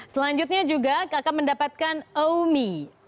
selanjutnya juga akan mendapatkan aumi